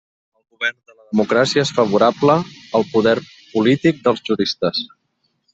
El govern de la democràcia és favorable al poder polític dels juristes.